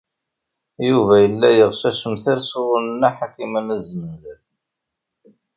Yuba yella yeɣs assemter sɣur Nna Ḥakima n At Zmenzer.